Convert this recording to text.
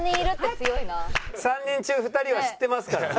３人中２人は知ってますからね。